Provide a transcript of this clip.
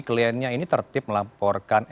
kliennya ini tertip melaporan